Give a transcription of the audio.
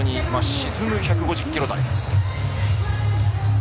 沈む１５０キロ台。